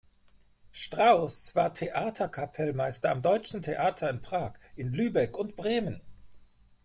Strauß war Theater-Kapellmeister am Deutschen Theater in Prag, in Lübeck und Bremen.